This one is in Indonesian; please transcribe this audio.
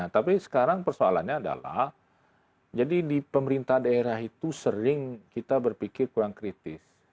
tapi sekarang persoalannya adalah jadi di pemerintah daerah itu sering kita berpikir kurang kritis